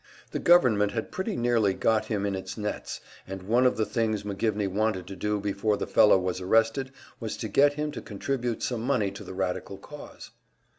The government had pretty nearly got him in his nets, and one of the things McGivney wanted to do before the fellow was arrested was to get him to contribute some money to the radical cause.